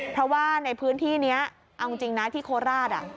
เพราะว่าในพื้นที่นี้เอาจริงนะที่โคราช